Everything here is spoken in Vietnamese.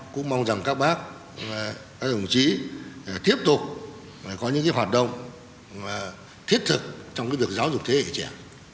cũng mong rằng các bác các đồng chí tiếp tục có những hoạt động thiết thực trong việc giáo dục thế hệ trẻ